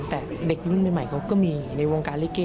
แต่เด็กรุ่นใหม่เขาก็มีในวงการลิเก